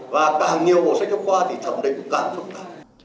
và càng nhiều bộ sách giáo khoa thì thẩm định cũng càng phục tạp